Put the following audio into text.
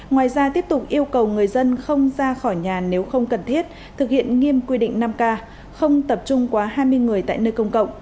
ngoài ra tiếp tục yêu cầu người dân không ra khỏi nhà nếu không cần thiết thực hiện nghiêm quy định năm k không tập trung quá hai mươi người tại nơi công cộng